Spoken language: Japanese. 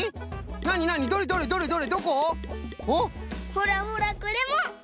ほらほらこれも！